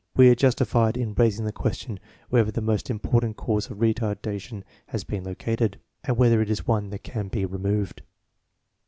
We are justified in raising the question whether the most important cause of retarda tion has been located, and whether it is one that can be removed.